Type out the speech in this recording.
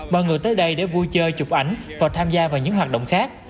mọi người tới đây để vui chơi chụp ảnh và tham gia vào những hoạt động khác